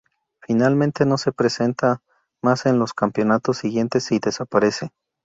Finalmente no se presenta más en los campeonatos siguientes y desaparece.